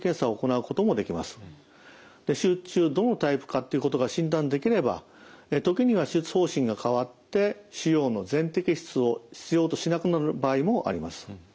手術中どのタイプかということが診断できれば時には手術方針が変わって腫瘍の全摘出を必要としなくなる場合もあります。